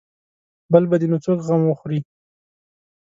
بل به دې نو څوک غم وخوري.